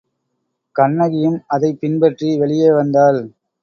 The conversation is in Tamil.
கண்ணகியும் அதைப் பின்பற்றி வெளியே வந்தாள்.